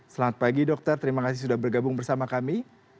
selamat pagi dokter terima kasih sudah bergabung bersama kami